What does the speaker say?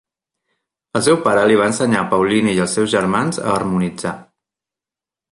El seu pare li va ensenyar a Paulini i als seus germans a harmonitzar.